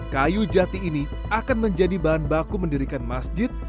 kayu jati ini akan menjadi bahan baku mendirikan masjid